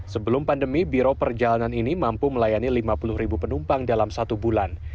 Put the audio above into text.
sebelum pandemi biro perjalanan ini mampu melayani lima puluh ribu penumpang dalam satu bulan